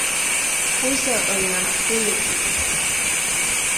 ose’enga koli’i